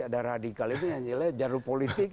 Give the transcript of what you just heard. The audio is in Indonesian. ada radikalisme yang jadul politik